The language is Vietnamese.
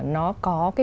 nó có cái